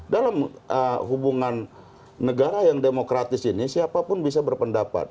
dalam hubungan negara yang demokratis ini siapapun bisa berpendapat